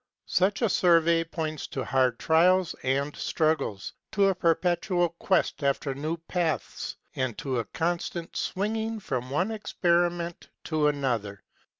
Such a survey points to hard trials and struggles, to a perpetual quest after new paths, and to a constant swinging from one experiment to another.